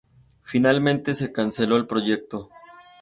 Finalmente se canceló el proyecto.